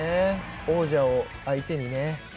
王者を相手に。